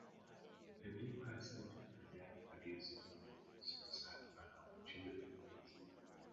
An inquest into her death produced a verdict of suicide by barbiturate poisoning.